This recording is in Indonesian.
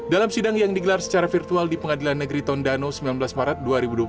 dalam sidang yang digelar secara virtual di pengadilan negeri tondano sembilan belas maret dua ribu dua puluh